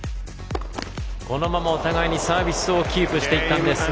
このままお互いにサービスをキープしていったんですが